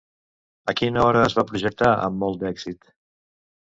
A quina hora es va projectar amb molt èxit?